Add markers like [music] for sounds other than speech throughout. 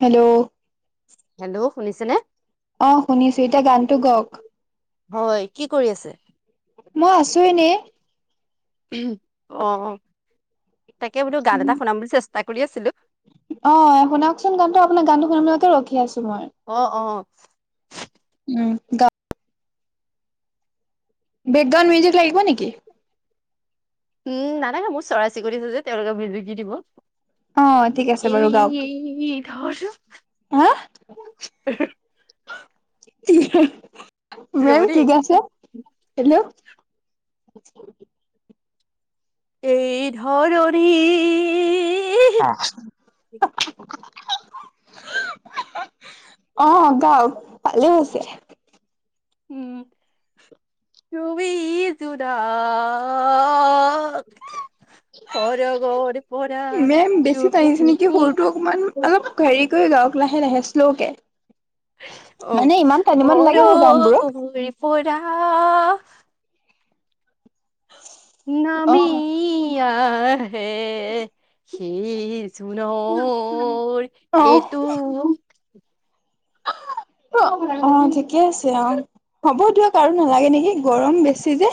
Hello hello শুনিছেনে। অ শুনিছো এতিয়া গানটো গওক। হয় কি কৰি আছে? মই আছোঁ এনেই। অ তাকে বোলো গান এটা শুনাবলৈ চেষ্টা কৰি আছিলো? অ শুনাওকচোন গানটো আপোনাক গানটো শুনাকে ৰখি আছো মই। অ অ উম গ। বেগগান মিউজিক লাগিব নেকি। উম ন নাগা মোৰ চৰাই চিৰিৰি থ যে তেওঁলোকে ভজকি দিব। অ ঠিক আছে বাৰু গাওক এ ধৰচোন। হা উ [unintelligible] মম ঠিক আছে হেল্ল' [unintelligible] এই ধৰণী। অ অ গাও ভালেই আছে। উম তোমিটো দা আআআআআআ। বলক। সৰগৰ পৰা মেম ত। বেছি টানিছে নেকি সুৰটো লে লাহে শ্ল' কে, অ', মানে ইমান টানিব নালাগে আৰু গানবোৰক। সৰগৰ পৰা অ নামি আআআ। হে সেই জুনৰ অ এইটো উ [inaudible] অ ঠিকে আছে অ। হ'ব দিয়ক আৰু নালাগে নেকি গৰম বেছি যে।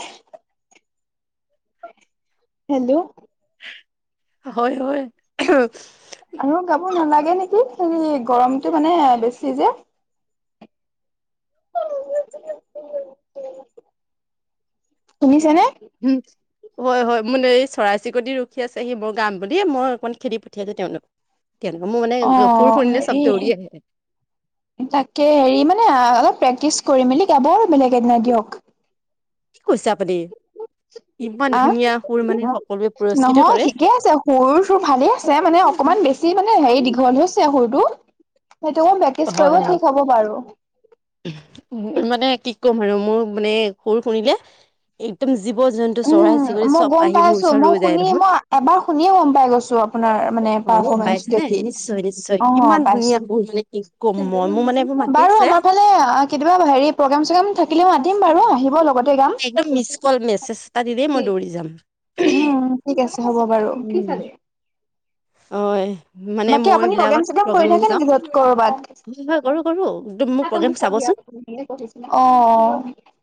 হেল্ল'। হয় হয়। আৰু গাব নালাগে নেকি? হে গৰমটো মানে বেছি যে। [inaudible] শুনিছেনে? [unintelligible] হয় হয় মোৰ এই চৰাই চিৰিকট ৰখি আছে সি মোৰ গাম বুলি মই অকণমান খেদি পঠিয়াইছো তেওঁলোকক? তেওঁলোকে মোৰ মানে অ সুৰ শুনিলে চব হেৰি দৌৰি আহে তাকে হেৰি মানে অলপ প্ৰেকটিচ কৰি মেলি গাব বেলেগ এদিনা দিয়ক। কি কৈছে আপুনি? ইমান আ ধুনীয়া সুৰ মানে সকলোৱে পুৰস্কৃত নহয় কৰে ঠিকে আছে সৰু চুৰ ভালে আছে মানে অকমান বেছি মানে হেৰি দীঘল হৈছে সুৰটো। সেইটো বেকেজ কৰিব হয় হয় ঠিক হব বাৰো। উম, মানে কি কম আৰু মোৰ মানে সুৰ শুনিলে একদম জীৱ -জন্তু, উম, চৰাই- চিৰিকটি মই চব গম আহি পাই মোৰ আছো ওচৰত মই ৰৈ যায় শুনি নহয়। মই এবাৰ শুনিয়ে গম পাই গৈছো আপোনাৰ মানে হয় ন' পাৰফৰ্মেঞ্চ পাইছ নাই? দেখি নিশ্চয়, নিশ্চয় অ' কিমান পাইছো। ধুনীয়া [unintelligible] মই মোৰ মানে এইবোৰ মাতি বাৰু আছে আমাৰ ফালে কেতিয়াবা, হেৰি প্ৰগ্ৰেম, চগ্ৰেম থাকি থাকিলেও মাতিম বাৰু আহিব লগ একদম মিচ কল [unintelligible] মেছেজ এটা দিলেই মই কি? দৌৰি যাম উম, ঠিক আছে হ'ব বাৰু। কি খালে? অ'! মানে, মই এই আপুনি বিলাকত চগ্ৰেম কৰি প্ৰগ্ৰেম থাকে যাওঁ। নেকি য'ত কৰবাত? হয়! কৰোঁ, কৰোঁ। একদম মোৰ প্ৰগ্ৰেম চাবচোন? অঁ! [unintelligible]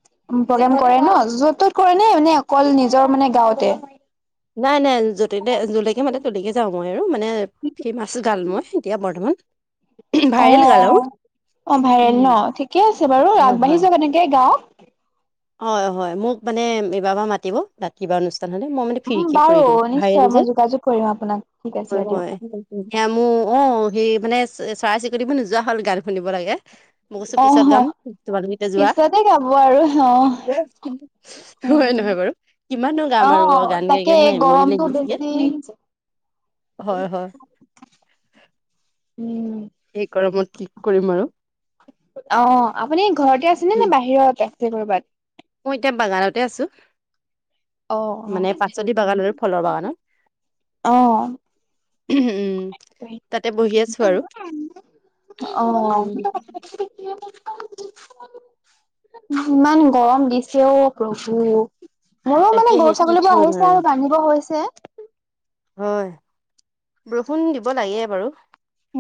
প্ৰগ্ৰেম কৰে ন'? য'ত ত'ত কৰে নে, মানে, অকল নিজৰ মানে গাঁৱতে? নাই, নাই, য'তে যলৈকে মাতে তলেকে যাওঁ মই। আৰু মানে, সেই ফেমাছগাৰ্ল মই এতিয়া বৰ্তমান। অ'! ভাইৰেল গাল আৰু অ'! ভাইৰেল উম ন'! ঠিকে আছে বাৰু। হয় আগবাঢ়ি হয় যাওঁক এনেকে গাঁৱত। হয়, হয়। মোক মানে, এইবাৰ পা মাতিব তাত কিবা অনু জানানে, মই মানে উম ফ্ৰীকে বাৰু কৰিলোঁ, ভাইৰেল নিশ্চয় যে। মই যোগাযোগ কৰিম আপোনাক ঠিক আছে হয় দিয়ক। -হয় সেইয়া মোৰ অহ সেই মানে চৰাই-চিৰিকটিবোৰ নোযোৱা হ'ল গান শুনিব লাগে। মই কৈছোঁ, অ পিছত গাম, তোমালোকে এতিয়া যোৱা। পিছতে গাব আৰু অ। হয় নহয় বাৰু? কিমাননো গাম আৰু অ'! গান গাই, গাই, মই আমনি লাগি গৈছে। [unintelligible] হয়, হয়। উম! এই গৰমত কি কৰিম আৰু অ'! আপুনি ঘৰতে আছেনে নে বাহিৰতে? কৰবাত মই এতিয়া বাগানতে আছোঁ। অ', মানে, পাচলি বাগান আৰু ফলৰ বাগানত। অ', উম! তাতে বহি আছোঁ আৰু। অ'! উম [unintelligible] ইমান গৰম দিছে অ'! প্ৰভু। মোৰো মানে, তাকেহে গৰু কি ছাগলীবোৰ কৰিম আহিছে আৰু বান্ধিব হৈছে। হয়, বৰষুণ দিব লাগে বাৰু।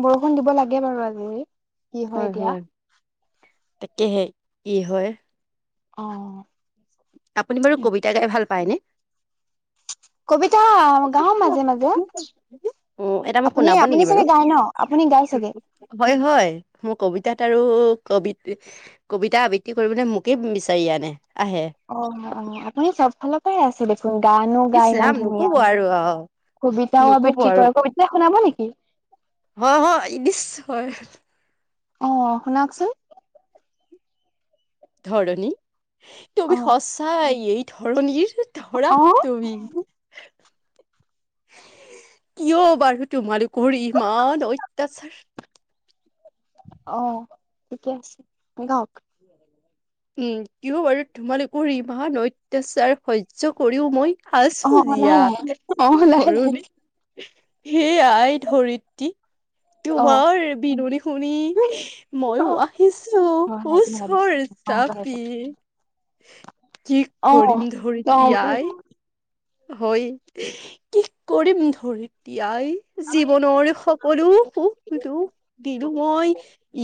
বৰষুণ দিব লাগে বাৰু আজি-কালি হয় এতিয়া। তাকেহে কি হয়। অহ আপুনি বাৰু কবিতা গাই ভাল পায়নে? কবিতা গাও মাজে -মাজে। অ', এটা মোক আপুনি শুনাব -আপুনি নেকি বাৰু? চাগে গায় ন আপুনি গাই চাগে? হয় -হয় মোৰ কবিতাত আৰু কবিত- কবিতা আবৃত্তি কৰিবলৈ মোকে বিচাৰি আনে। আহে। অহ - অহ আপুনি চব ফালৰ পৰাই আছে দেখোন গানো ইচ গাই ৰাম ইমান ধুনীয়া। নক'ব আৰু অ', কবিতাও নক'ব আবৃত্তি আৰু কৰে কবিতা শুনাব নেকি? হয় -হয় ইদিচ হয়। অহ, শুনাওকচুন। ধৰণী তুমি অ সঁচাই এই ধৰণীৰ ধৰা অ তুমি কিয় বাৰু তোমালোকৰ ইমান অত্যাচাৰ অহ ঠিকে আছে গাওক। উম, কিয় বাৰু তোমালোকৰ ইমান অত্যাচাৰ সহ্য সহ্য কৰিও মই অ আছো অ জীয়া লাহে লাহে ধৰণী। হে আই ধৰিত্ৰী অ তোমাৰ বিননি শুনি ময়ো আহিছো লাহে লাহে ওচৰ তথাপি জি অ কৰিম অ ধৰিত্ৰী লাহে আই হয় কি কৰিম ধৰি এতিয়াই জীৱনৰ সকলো সুখ-দুখ দিলো মই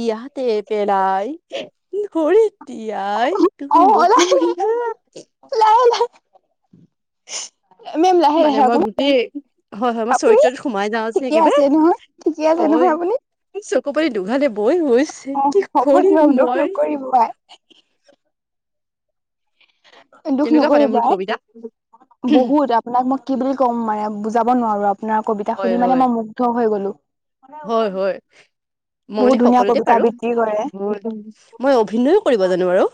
ইয়াত ইয়াতে পেলাই ধৰিত্ৰী আই লাহে অ অ অ তুমি অ লাহে নপৰিবা লাহে [inaudible] মেম লাহে- মানে লাহে মই অকমান গোটেই হয় হয় মই আপুনি চৰিত্ৰটোত সোমাই যাওঁ যে ঠিকে আছে একেবাৰে নহয়? ঠিকে আছে তেনেহলে হয় আপুনি? চকু পানী দুগালে বৈ বৈ হৈছে অ কি হ'ব কৰিম দিয়ক দুখ মই। নকৰিব আই দুখ তেনেকুৱা মানে নকৰিব মোৰ আই। কবিতা বহুত আপোনাক মই কি বুলি ক'ম মানে বুজাব নোৱাৰো আ আপোনাৰ কবিতা হয় শুনি মানে হয় মই মুগ্ধ হৈ গ'লো। হয় -হয়। মই বহুত মানে ধুনীয়া সকলোতে কবিতা পাৰো আবৃত্তি কৰে মই অভিনয়ো কৰিব জানো আৰু।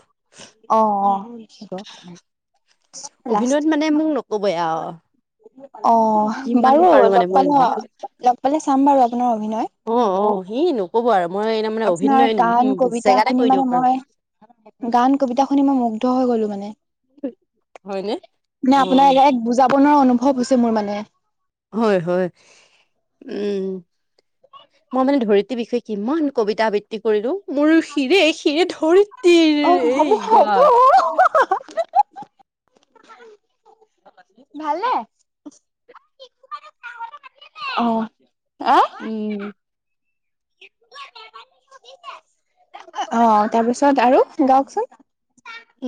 অহ - অহ সেইটো। অভিনয়ত মানে মোক নকবই আও। অহ যিমান বাৰু পাৰো মানে লগ মই পালে -লগ পালে চাম বাৰু আপোনাৰ অভিনয়। অহ - অহ সেনো আপোনাৰ গান কবিতা জেগাতে শুনি কৰি দিব মানে পাৰো মই গান কবিতা শুনি মই মুগ্ধ হৈ গলো মানে। হয়নে মানে অ আপোনাৰ এক বুজাব নোৱাৰা অনুভৱ হৈছে মোৰ মানে। হয় -হয় উম। মই মানে ধৰিত্ৰীৰ বিষয়ে কিমান কবিতা আবৃত্তি কৰিলো। মোৰ শিৰে- শিৰে অ ধৰিত্ৰীৰ হ'ব এই গান [unintelligible] ভালে অহ উম [inaudible] অহ, তাৰপিছত আৰু গাওকচোন।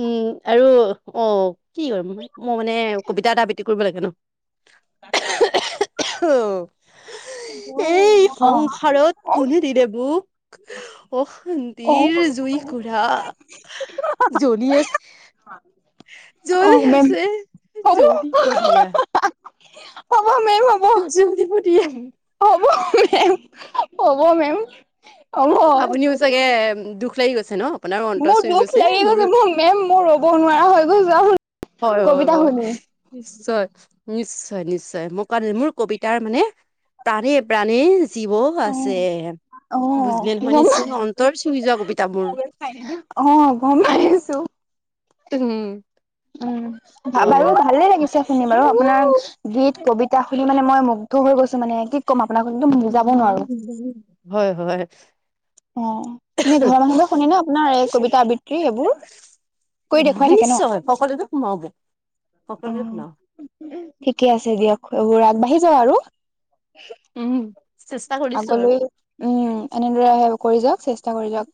উম, আৰু অহ কি কৰিম মই মানে কবিতা এটা আবৃত্তি কৰিব লাগে ন' [unintelligible] অ [unintelligible] [unintelligible] অ সংসাৰত কোনে দিলে মোক অ অশান্তিৰ জুই কুৰা জলি আছে অ জ্বলি মেম আছে হ'ব জ্বলি [unintelligible] [unintelligible] হ'ব জ্বলিব দিয়া। হ'ব মেম, হ'ব মেম। হ'ব আপুনিও চাগে দুখ লাগি গৈছে ন? আপোনাৰো অন্তৰ মোৰ চুই দুখ লাগি গৈছে মোৰ মেম মোৰ ৰ'ব নোৱাৰা হৈ গৈছো আও। হয় হয় হয়। নিশ্চয় নিশ্চয় নিশ্চয় মোৰ কাৰণ মোৰ কবিতাৰ মানে প্ৰাণেই প্ৰাণেই জীব আছে। অ বুজিলে নহয় গম নিশ্চয় অন্তৰ চুঙি যোৱা কবিতা মোৰ। অ' গম পাই আছোঁ। হম। উম বাৰু ভালে লাগিছে শুনি বাৰু আপোনাৰ গীত কবিতা শুনি মানে মই মুগ্ধ হৈ গৈছো মানে কি ক'ম আপোনাক একদম বুজাব নোৱাৰো। হয় হয়। অ' এনে ঘৰৰ মানুহবোৰে শুনে ন আপোনাৰ এই কবিতা আবৃত্তি এইবোৰ? অ নিশ্চয় সকলোতে সোমাব। সকলোতে অ' শুনাও ঠিকে আছে দিয়ক এইবোৰ আগবাঢ় আহি যাওক আৰু। উম, চেষ্টা কৰিছো আৰু আগলৈ উম এনেদৰে আহে কৰি যাওক চেষ্টা কৰি যাওক।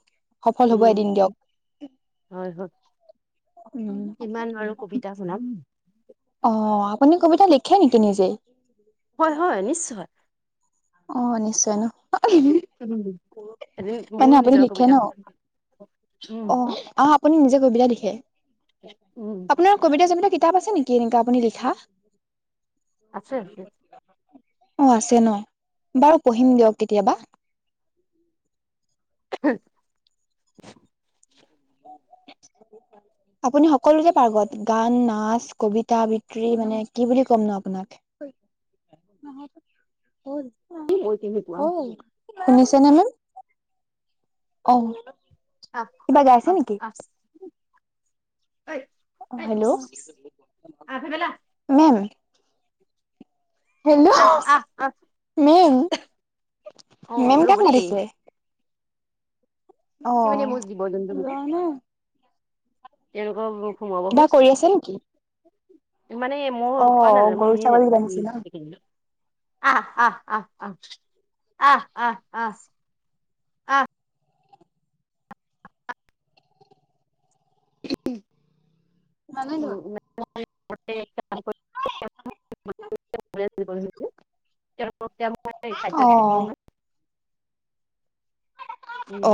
সফল হবই উম এদিন দিয়ক। হয় হয় উম, কিমান বাৰু কবিতা শুনাম অ'। অ আপুনি কবিতা লিখে নেকি নিজেই? হয় হয় নিশ্চয়। অ, নিশ্চয় ন? উম, এদিন মোৰ নিজৰ কবিতা শুনাম। উম অহ আহ আপুনি নিজে কবিতা লিখে? উম আপোনাৰ কবিতা চবিতা কিতাপ আছে নেকি এনেকা আপুনি লিখা? আছে, আছে। অ', আছে ন? বাৰু পঢ়িম দিয়ক কেতিয়াবা। [inaudible] আপুনি সকলোতে পাৰ্গত গান, নাচ, কবিতা আবৃত্তি মানে কি বুলি ক'ম ন আপোনাক। [inaudible] ন [unintelligible] কি মই কেনেকুৱা শুনিছেনে মেম? অ'। আ, আ কিবা গাইছে আ, নেকি আ। অ' হেল্ল', আহ ভাইবেলা মেম? হেল্ল'। আহ আহ আহ মেম? অ মেম ৰ'ব কাক দেই মাতিছে? এই মানে মোৰ অ' জীৱ জন্তু কেইটা [unintelligible] কিবা কৰি আছে নেকি [unintelligible] মানে মোৰ অ কোৱা গৰু ছাগলী বান্ধিছে নাযাই। ন [unintelligible] আহ, আহ, আহ, আহ, আহ, আহ, আহ। হেল্ল' [unintelligible] [unintelligible] খাদ্য অ [unintelligible]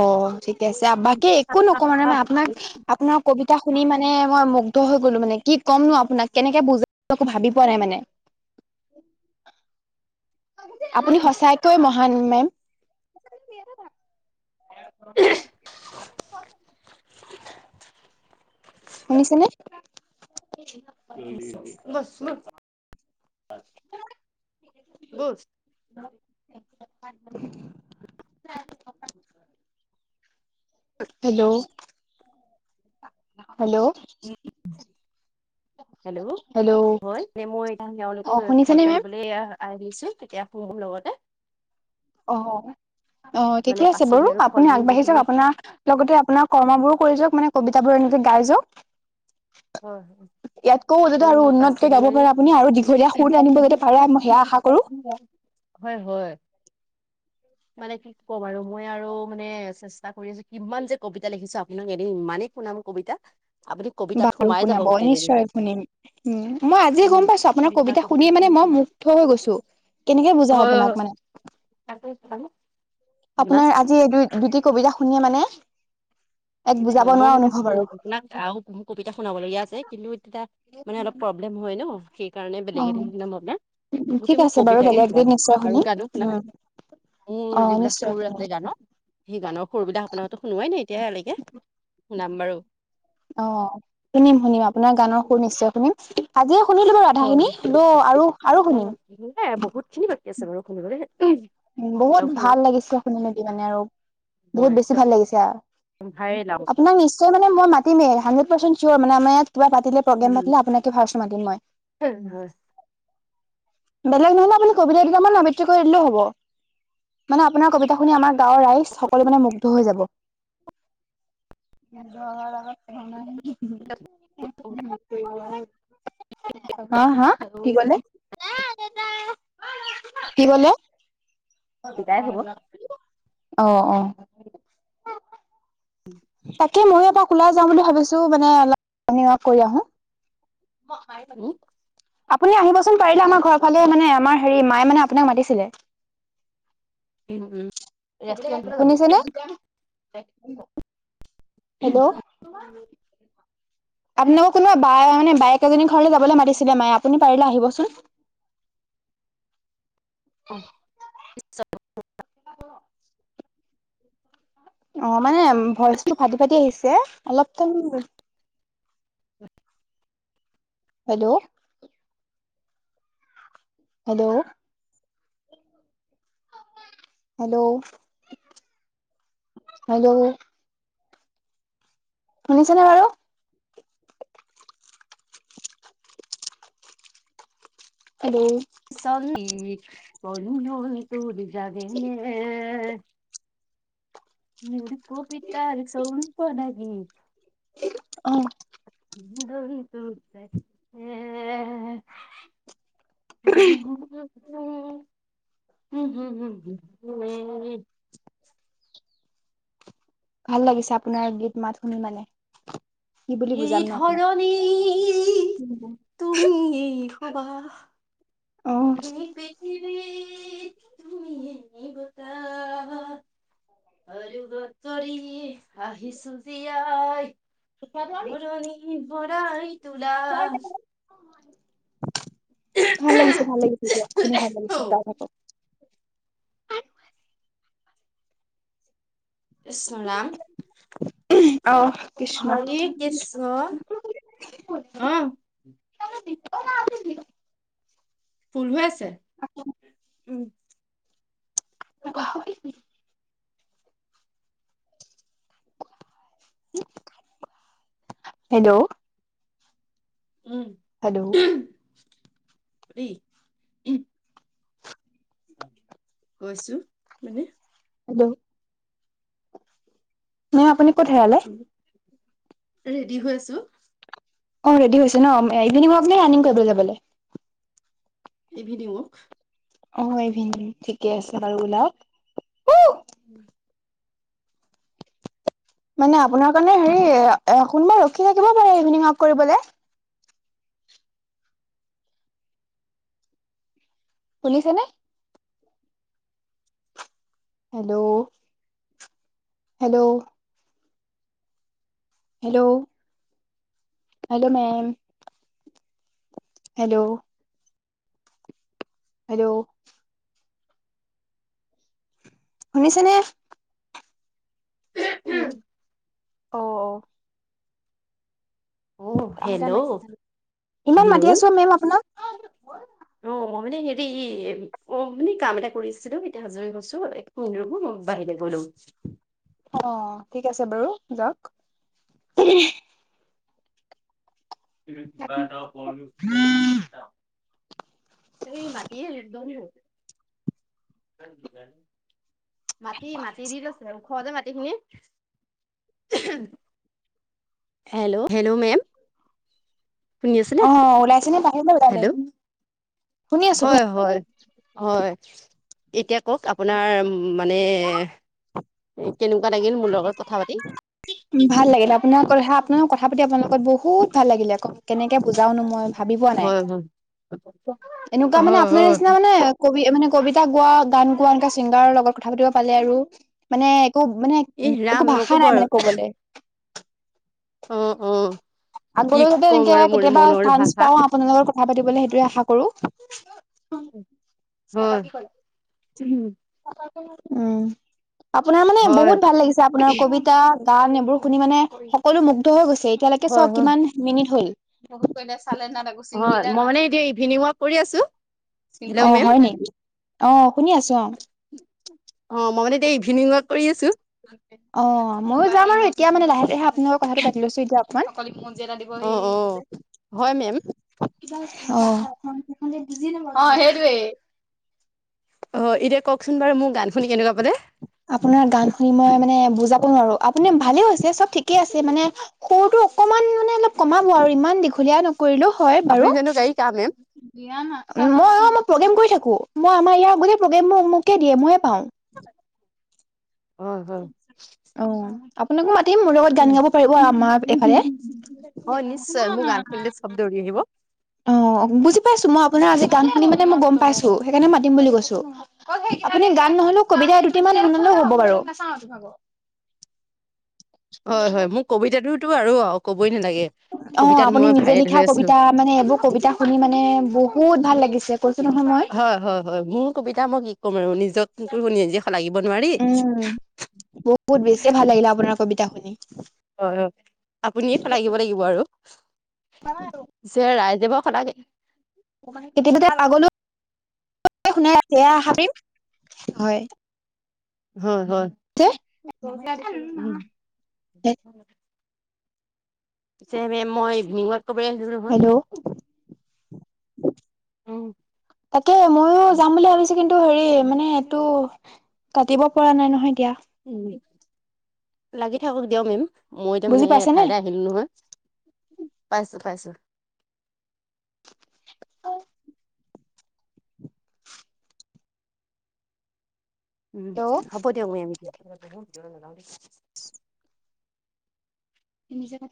অ, ঠিকে আছে। বাকী একো নকওঁ মানে আপোনাক আপোনাৰ কবিতা শুনি মানে মই মুগ্ধ হৈ গ'লো মানে কি ক'মনো আপোনাক কেনেকে বুজ একো ভাবি পোৱা নাই মানে। [inaudible] আপুনি সচাইকৈ মহান মেম। [inaudible] শুনিছেনে? [unintelligible] বুজ হেল্ল' হেল্ল' হেল্ল', হয় নে মই এতিয়া অ তেওঁলোকক শুনিছেনে খাদ্য মেম দিবলৈ আহিছোঁ তেতিয়া মোৰ লগতে। অ অ, মানে ঠিকে আছে পাচলি বাৰু আৰু ফল আপুনি মূল আগবাঢ়ি যিখিনি যাওক আপোনাৰ লগতে আপোনাৰ কৰ্মবোৰো কৰি যাওক মানে কবিতাবোৰ এনেকে গাই যে। [inaudible] মানে মোৰ উন্নতকে পাচলি গাব আৰু পাৰে আপুনি দীঘলীয়া সুৰ আনিব যাতে পাৰে মই সেয়া আশা কৰো হয়, হয়। মানে কি ক'ম আৰু মই আৰু মানে চেষ্টা কৰি আছো, কিমান যে কবিতা লিখিছো আপোনোক এনেিন ইমানেই শুনা কবিতা, আপুনি কবিতা আৰু শুনাব নিশ্চয় শুনিম। উম, মই আজি উম গম পাইছো আপোনাৰ লিখা কবিতা শুনিয়ে মানে শুনি মই হয় মুগ্ধ হৈ গ ছো কেনেকে বুজা আপোনাক মানে। তাকেইতো। আপোনাৰ আজি এই দুই দুটি কবিতা শুনিয়ে মানে এক বুজাব হয়, মই নোৱাৰা মানে অনুভৱ মোৰ আৰু। আপোনাক আৰু মোৰ কবিতা শুনাব লগীয়া আছে কিন্তু, তেতিয়া মানে অলপ প্ৰব্লেম হয় ন সেই কাৰণে বেলেগ অ', এদিন শুনাম আপোনাৰ গো ঠিক মানে আছে বাৰু কবিতাকে বেলেগ শ এদিন নিশ্চয় আৰু শুনিম। গানো শুনাম। উম, মোৰ অ', যিবিলাক নিশ্চয় সুৰ আছে শুনিম গানৰ সেই গানৰ সুৰবিলাক আপোনাকো শুনোৱাই নাই এতিয়ালৈকে। নাম্বাৰু অঁ শুনিম শুনিম আপোনাৰ গানৰ সুৰ নিশ্চয় শুনিম আজি শুনিলো বাৰু হয়, আধাখিনি আৰু আৰু নাই বহুত খিনি শুনিম। [unintelligible] উ বহুত শুনাম ভাল লাগিছে শুনি মেকি মানে আৰু বহুত হয় বেছি একদম ভাল লাগিছে আৰু। ভায়ে লাভ আপোনাক নিশ্চয় মানে মই মাতিমেই হানডেত পাৰ্চেন মানে আমাৰ ইয়াত কিবা পাতিলে প্ৰগ্ৰেম উম, পাতিলে আপোনাকে ফাৰচ মাতিম মই। হয় বেলেগ নহলে আপুনি কবিতা দুটামানৰ আবৃত্তি কৰি দিলেও হ'ব। মানে আপোনাৰ কবিতা শুনি আমাৰ গাঁওৰ ৰাইজ সকলো মানে মুগ্ধ হৈ যাব। [unintelligible] [unintelligible] অঁ হাঁ হাঁ কি কলে? কি কলে?? গাই হ'ব অঁ অঁ [unintelligible] ত ময়ো এপাক ওলাই যা বুলি ভাবিছো মানে অলপ মৰনিং ৱাক কৰি আহো। [unintelligible] উম, আপুনি আহিবচোন পাৰিলে আমাৰ ঘৰৰ ফালে মানে আমাৰ হেৰি মায়ে মানে আপোনাক মাতিছিলে। উম, উম। শুনিছেনে! হেল্ল' আপোননোকো কোনোবা বাই মানে বায়েক এইজনী ঘৰলৈ যাবলৈ মাতিছিলে মায়ে আপুনি পাৰিলে আহিবচোন। [unintelligible] [inaudible] [inaudible] অঁ মানে ভইচটো ফাটি ফাটি আহিছে। অলপ হেল্ল'। হেল্ল'। Hello hello. শুনিছেনে বাৰু? হেল্ল ',। চন্দি বন্ধু তোৰ যাগে নে! [unintelligible] মোৰ কবিতা চনত ৰাগি অঁ। ৰৈ ৰৈ যাগিছে [inaudible] উমম। [inaudible] উ উম উম উম উ [inaudible] ভাল লাগিছে আপোনাৰ গীত মাত শুনি মানে। কি বুলি এই বুজাম ন আপোনাক ধৰণি তুমি [inaudible] এবাৰ বাহ্ অ এই পৃথিৱীত [inaudible] তুমিয়েই বতাহ [inaudible] আৰু বাতৰি আহিছোঁ জিয়াই বৰণি ভৰাই তুলা ভাল লাগিছে, ভাল লাগিছে, দিয়ক শুনি ভাল লাগিছে, আৰু গাই থাকক। কৃষ্ণ নাম অ কৃষ্ণ হৰি কৃষ্ণ অঁহ। ফুল হৈ আছে উম,। [unintelligible] হেল্ল'। হেল্ল'। দুেই [unintelligible] গৈছো মানে। হেল্ল। মে আপুনি ক'ত হেৰালে? ৰেডি হৈ আছো। অ', ৰেডি হৈছে ন? ইভিনিং ৱৰ্ক নে ৰানিং কৰিবলৈ যাব। Evening work. অ', ইভিন ঠিকে আছে বাৰু ওলাওক। [inaudible] মানে আপোনাৰ কাৰণে হেৰি কোনবা ৰখি থাকিব পাৰে ইভিনিং ৱাক কৰিবলে। শুনিছেনে? Hello. Hello. Hello hello ma'am. Hello. Hello. শুনিছে নে? স অ অ। আহ কাহ এটা হেল্ল' মাৰি ইমান হেল্ল' মাতি আছো মেম আপোনাক আহ। মানে হেৰি অ মানে কাম এটা কৰিছিলো এতিয়া হাজৰি হৈছো একো মই বাহিৰৰে গলো। [inaudible] [inaudible] অ ঠিক আছে বাৰু যাওক। [unintelligible] প [unintelligible] ত বতিদন [unintelligible] মাতি মাতি দি লৈছে ওখ যে। খে হেল্ল? Hello ma'am? শুনি আছিলে, অ ওলাইছে নে বাহিৰলে ওলালে হেল্ল'? শুনি আছো হয়'- হয়'- হয়। এতিয়া কওক আপোনাৰ মানে কেনেকুৱা লাগিল মোৰ লগত কথা পাতি? ভাল লাগিলে, আপোনাৰ আপোনাৰ কথা পাতি আপোনালোকত বহুত ভাল লাগিলে আকৌ কেনেকে বুজাও নো মই। ভাবি পোৱা নাই, হয় হয় এনেকুৱা মানে হয় আপোনাৰ হয় নিচিনা মানে কবি মানে কবিতা গোৱা গান গোৱা এনেকুৱা ছিংগাৰৰ লগত কথা পাতিব পালে আৰু মানে এক মানে ই একো ৰাম ভাষা নকব নাই আৰু মানে। [inaudible] অ'- অ'। কি আগলৈ যাতে ক'ম এনেকে আৰু মোৰ কেতিয়াবা মনৰ চাঞ্চ ভাষা পাও আপোনাৰ লগত কথা পাতিবলে সেইটোয়ে আশা কৰো। তাৰাপা হয় কি কলে? উম', আপোনাৰ মানে হয় বহুত ভাল লাগিছে আপোনাৰ কবিতা গান এইবোৰ শুনি মানে সকলো মুগ্ধ হৈ গৈছে এতিয়ালৈকে হয় চাওঁ হয় কিমান মিনিট হল। চাল ন তাগুচিিন হয় গল মই ন মানে এতিয়া ইভিনিং ৱাক কৰি আছো [unintelligible] হেল্ল' অ' মেম হয় নেকি? অ', শুনি আছো অ'। অ', মই মানে এতিয়া ইভিনিং ৱাক কৰি আছো। অ অ ময়ো যাম আৰু এতিয়া মানে লাহে লাহে আপোনালৰ কথাটো পাতি লৈছো এতি অকমান। অ অ হয় মেম অ'। অ', সেইটোৱে। অ', এতিয়া কওকচোন বাৰু মোৰ গান শুনি কেনেকুৱা পালে? আপোনাৰ গান শুনি মই মানে বুজাব নোৱাৰো আপুনি ভালে হৈছে চব ঠিকে আছে মানে সৰুটো অকন অকণমান মানে অলপ কমাব আৰু ইমান দীঘলীয়া ন কৰিলো হয় আপুনি বাৰু। জানো গায়িকা কা মেম মই প্ৰগেম কৰি থাকো। মই আমাৰ ইয়াৰ গো প্ৰগেম মোক-মোকে দিয়ে মইয়ে পাওঁ। উম' হম। আপোনাক ম মোৰ লগত গান গাব পাৰিব আমাৰ এফালে। হয় নিশ্চয় মোৰ গান শুনিলে চব দৌৰি আহিব অ' বুজি মই আপোনাৰ আজি গান শুনি মে মই গম পাইছো সেইকাৰণে মাতিম বুলি কৈছো আপুনি গান নহলেও ক এতিয়া দুটি মান হ'ব বাৰু হয় হয় মোৰ কবিতাটোতো আৰু অ কবই নালাগে অ', কবিতাত আপুনি মই নিজে ভাইৰেল হৈ লিখা আছো কবিতা মানে এইবোৰ কবিতা শুনি মানে বহুত ভাল লাগিছে কৈছো নহয় মই। হয়- হয়- হয় মোৰ কবিতা মোক কম আৰু নিজক তোৰ শুনি নিজে লাগিব নোৱাৰি। উম বহুত বেছিয়ে ভাল লাগিলে আপোনাৰ কবিতা শুনি। হয়- হয় আপুনিয়ে আহিব লাগিব আৰু। যে ৰাইজে বাৰু সদায় তেতিতে আগলৈ শুনাই আ ভাবিম হয়। হয়। হয়। উম। [unintelligible] পি মই ইভিনিং ৱক। হেল্ল'? উম, তাকে ময়ো যাম বুলি ভাবিছো কিন্তু এইটো হেৰি মানে এইটো কাটিব পৰা নাই নহয় এতিয়া। উম লাগি থাকক দিয়ক উম। মই এতিয়া মানে বুজি পাইছেনে? এঠাইতে আহিলো নহয় পাইছো পাইছো উম হ'ব দিয়ক মমিতা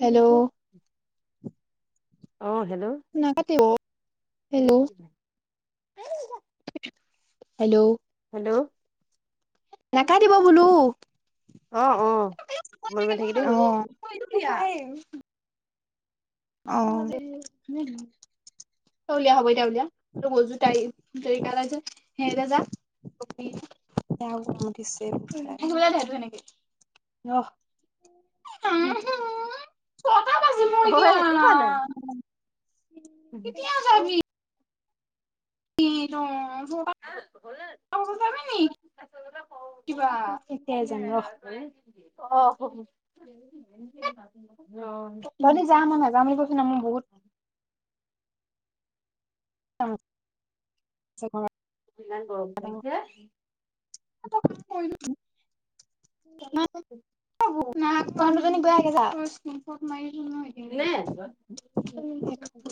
হেল্ল' অ', হেল্ল'। নাকতি [unintelligible] হেল্ল' হেল্ল' নাকা দিব বোলো অ', অ', মনে মনে থাকিলেই হ'ল। অহ [unintelligible] অ উলিয়া হব এতি উলিয়া [unintelligible] উঠিছে এনেক অ [unintelligible] হয় এক একোকোৱা নাই [unintelligible] কিবা এতিয়া যাম ৰ অ ধলে যাম মই নাযাম বুলি কৈছ ন মোৰ বহুত [unintelligible] ইমান গৰম পৰিছে [unintelligible] [unintelligible] না দুজনী যা মাৰি এ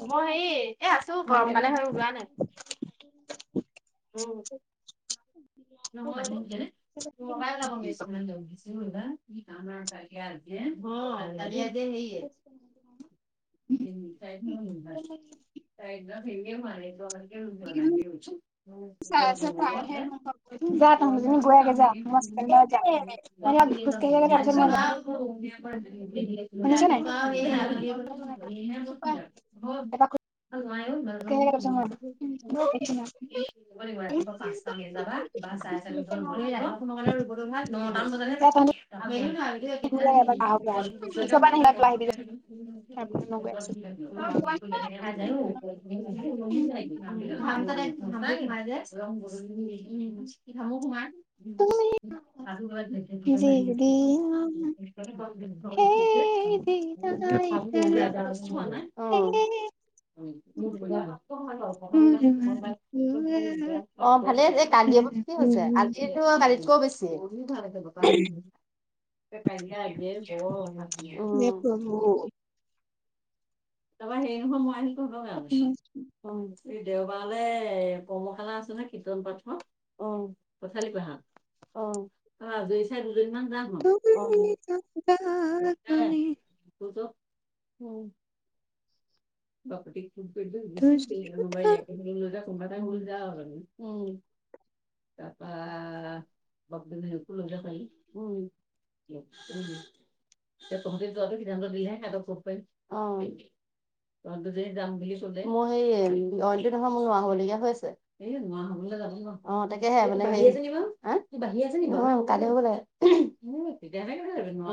মই হে এ আছো গমকালে হৈ ওলোৱা নাই [unintelligible] অ ননোই লাবোমন্ান হিছিল কাম সে ত ন ত মাৰেটো আমাৰ কে দ লাইাগ চু যা ম যা তহঁতজনী গৈয়াগে যা কাম মই ষ্টেণ্ডত যাম লাগ খোজ কাঢ়ি আগে তাৰপিছত মই যাম [unintelligible] শুনিছ নাই ে ন [unintelligible] চ [unintelligible] ব লাগিব ৰাতিপুৱা পাঁচটান ল যাবা বা চাৰে চাৰিে যাম ৰুবতো ভাল নটান যা তহঁতি বজ [unintelligible] [unintelligible] ঘূৰি আহ এপাক আহগে আহগে ওচৰৰ [unintelligible] পৰা নাহিবা তই আহিবি তাৰপিছত [unintelligible] মই গৈ আছো ৰ গ উ ধামো সোমাই [unintelligible] অ ম ব যিদিনা সেই দিনাই হেৰা হেৰি ভাতল কিমানাই মোৰ অ ভালেছে এই কালদিি আগুৱা অ ব্ত কি হৈছে কালো বালিতকৈও বেছি কি ভালছে বাপ মে হে [unintelligible] প্ৰভু তাৰপ সেই নহ মই আহি কৰিব দেওবাৰলৈ কৰ্মশালা আছে নে কীৰ্তন পাঠৰ উ কঠালি পাহাৰ অ হজ চাৰ [unintelligible] উম বাপুী খ তুমি চি্পিাই [unintelligible] তোমাৰ তাই উল যা ল [unintelligible] তাৰপা বকদো লৈ যাব পাৰি উম [unintelligible] অ [unintelligible] তহঁতে যোৱাটো সিদ্ধান্ত দিলেহে সিহতক কব পাৰিম৷ অ, ই যদি যাম বুলি চলে মই সেই অইল টো নখয় মোৰ নোোৱা হবলগীয়া হৈছে এ নোোৱা হব [unintelligible] অ তাকেহে বোে ন কানে ব [unintelligible] এেো [unintelligible]